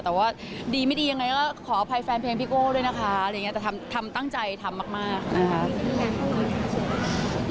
แต่ว่าดีไม่ดียังไงก็ขออภัยแฟนเพลงพี่โก้ด้วยนะคะอะไรอย่างนี้แต่ทำตั้งใจทำมากนะคะ